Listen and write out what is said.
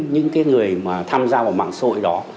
những cái người mà tham gia vào mạng xã hội đó